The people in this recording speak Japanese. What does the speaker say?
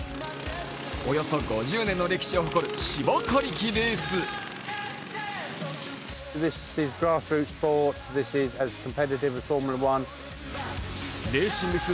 およそ５０年の歴史を誇る芝刈り機レース。